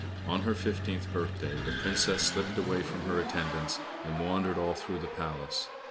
On her fifteenth birthday the Princess slipped away from her attendants, and wandered all through the Palace.